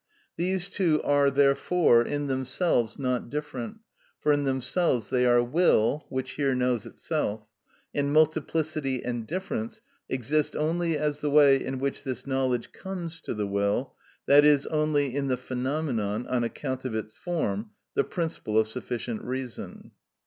These two are, therefore, in themselves not different, for in themselves they are will, which here knows itself; and multiplicity and difference exist only as the way in which this knowledge comes to the will, i.e., only in the phenomenon, on account of its form, the principle of sufficient reason.